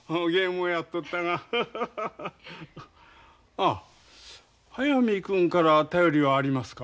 ああ速水君から便りはありますか？